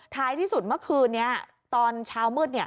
ท้ายที่สุดเมื่อคืนนี้ตอนเช้ามืด